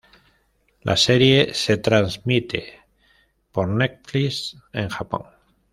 La serie se transmite por Netflix en Japón.